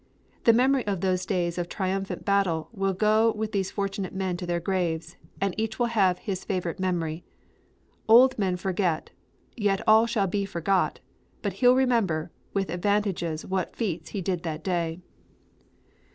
The memory of those days of triumphant battle will go with these fortunate men to their graves; and each will have his favorite memory. 'Old men forget; yet all shall be forgot, but he'll remember with advantages what feats he did that day!'